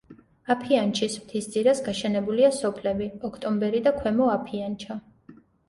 აფიანჩის მთის ძირას გაშენებულია სოფლები: ოქტომბერი და ქვემო აფიანჩა.